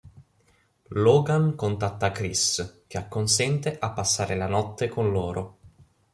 Logan contatta Chris, che acconsente a passare la notte con loro.